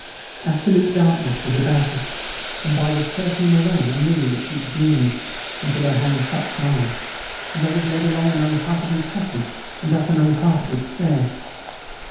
Absolute darkness was about us, and by this perfume alone I knew that she was near to me, until her hand touched mine, and I was led along an uncarpeted passage and up an uncarpeted stair.